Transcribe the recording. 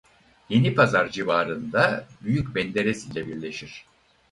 Yenipazar civarında Büyük Menderes ile birleşir.